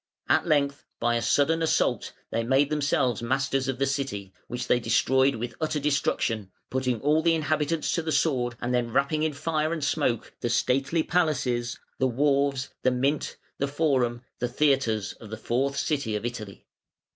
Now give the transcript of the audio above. At length by a sudden assault they made themselves masters of the city, which they destroyed with utter destruction, putting all the inhabitants to the sword, and then wrapping in fire and smoke the stately palaces, the wharves, the mint, the forum, the theatres of the fourth city of Italy.